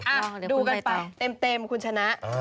ดูกันไปเต็มคุณชนะ